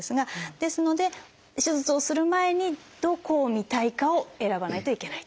ですので手術をする前にどこを見たいかを選ばないといけないということなんです。